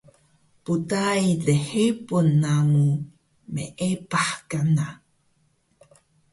pdai lhebun namu meepah kana